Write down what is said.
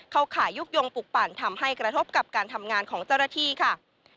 ขายยุกยงปลูกปั่นทำให้กระทบกับการทำงานของเจ้าหน้าที่ค่ะ